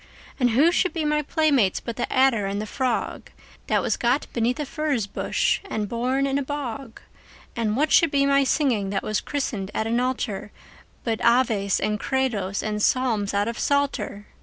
And who should be my playmates but the adder and the frog, That was got beneath a furze bush and born in a bog? And what should be my singing, that was christened at an altar, But Aves and Credos and Psalms out of Psalter?